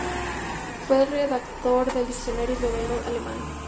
Fue redactor del diccionario esloveno-alemán.